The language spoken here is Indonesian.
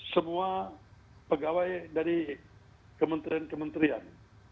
semua pegawai dari kementerian kementerian